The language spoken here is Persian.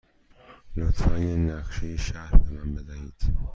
لطفاً یک نقشه شهر به من بدهید.